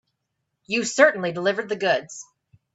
You certainly delivered the goods.